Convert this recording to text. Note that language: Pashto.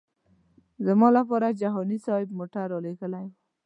زما لپاره جهاني صاحب موټر رالېږلی و.